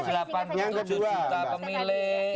wah banyak sekali mbak